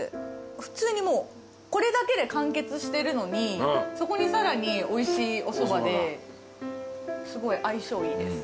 普通にもうこれだけで完結してるのにそこにさらにおいしいおそばですごい相性いいです。